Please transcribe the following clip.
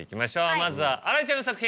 まずは新井ちゃんの作品。